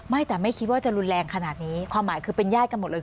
ไม่แต่ไม่คิดว่าจะรุนแรงขนาดนี้ความหมายคือเป็นญาติกันหมดเลย